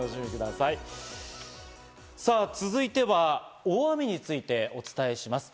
さぁ続いては大雨についてお伝えします。